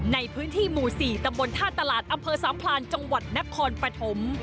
ในพื้นที่หมู่๔ตำบลท่าตลาดอำเภอสามพลานจังหวัดนครปฐม